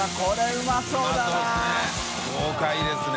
うまそうですね。